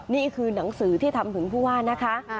นี่คือหนังสือที่ทำถึงผู้ว่านะคะ